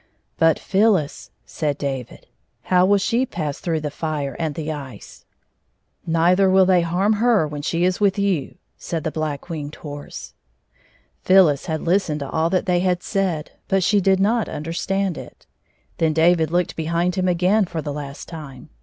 " But PhyUis," said David. " How will she pass through the fire and the ice 1 "" Neither will they harm her while she is with you," said the Black Winged Horse Phyllis had listened to all that they had said ; hnt she did not understand it. Then David looked hehind him again for the lafit time.